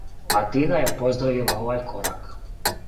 Атина је поздравила овај корак.